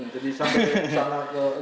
jadi sampai salah ke